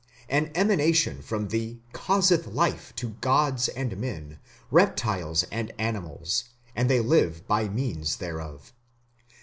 An emanation from thee causeth life to gods and men, reptiles and animals, and they live by means thereof.